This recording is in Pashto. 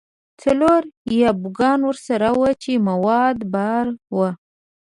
څلور یا بوګان ورسره وو چې مواد بار وو.